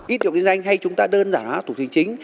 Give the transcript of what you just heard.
ý điều kinh doanh hay chúng ta đơn giản hóa thủ tục hành chính